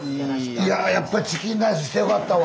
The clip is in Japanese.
いややっぱチキンライスしてよかったわ！